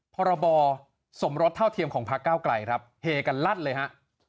พรบสมรสเท่าเทียมของพักเก้าไกลครับเฮกันลั่นเลยฮะ